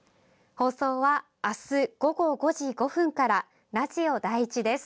放送は明日午後５時５分からラジオ第１です。